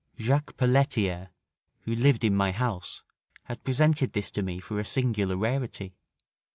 Jaques Pelletier, who lived in my house, had presented this to me for a singular rarity.